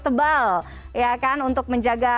tebal untuk menjaga